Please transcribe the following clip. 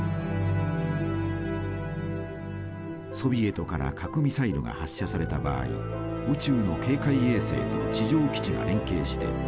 ソビエトから核ミサイルが発射された場合宇宙の警戒衛星と地上基地が連携してその正確な位置を把握。